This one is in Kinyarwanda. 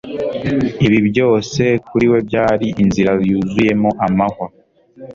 Ibi byose kuri we byari inzira yuzuyemo amahwa.